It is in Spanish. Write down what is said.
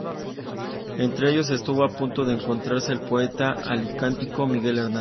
Entre ellos estuvo a punto de encontrarse el poeta alicantino Miguel Hernández.